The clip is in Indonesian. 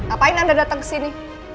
apa yang anda datang kesini